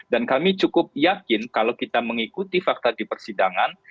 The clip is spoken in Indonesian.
dan kami cukup yakin kalau kita mengikuti fakta di persidangan